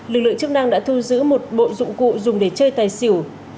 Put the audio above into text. lực lượng chức năng đã thu giữ một bộ dụng cụ dùng để chơi tài xỉu